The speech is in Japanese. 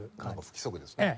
不規則ですね。